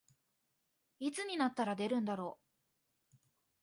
いつになったら出るんだろう